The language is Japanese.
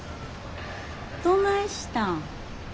どないしたん？